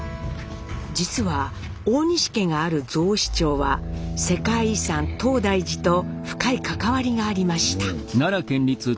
実は大西家がある雑司町は世界遺産・東大寺と深い関わりがありました。